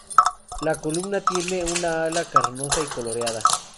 La columna tiene un ala carnosa y coloreada.